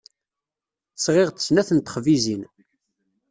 Sɣiɣ-d snat n texbizin.